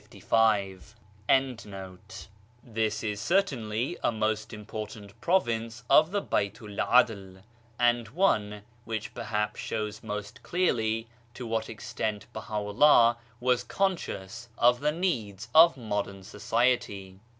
THE BAlTU'L 'ADL 141 This is certainly a most important pro vince of the Baitu'l 'Adl, and one which perhaps shows most clearly to what extent Baha'u'llah was conscious of the needs of modern society.